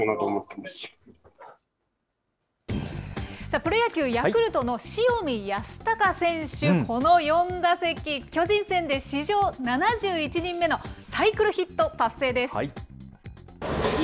プロ野球・ヤクルトの塩見泰隆選手、この４打席、巨人戦で史上７１人目のサイクルヒット達成です。